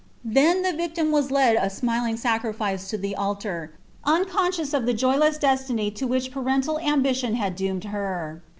Then the victim was led ■ ■■ding sacrifice to (lie altar, unconscious of the joyless destiny to which {Mrcnliil ambitioD had doomed her.